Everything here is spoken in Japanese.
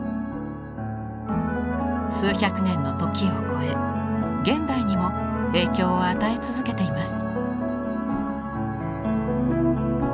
数百年の時を超え現代にも影響を与え続けています。